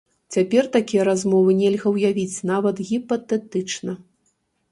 Цяпер такія размовы нельга ўявіць нават гіпатэтычна.